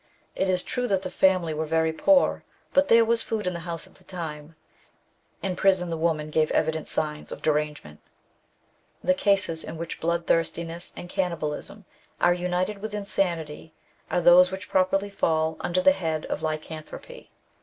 It is true that the family were very poor, but there was food in the house at the time. In prison the woman gave evident signs of derangement. The cases in which bloodthirstiness and cannibalism are united with insanity are those which properly fall under the head of Lycanthropy.